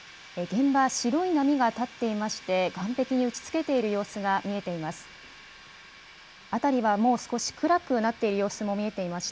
現場は白い波が立っていまして、岸壁に打ちつけている様子が見えています。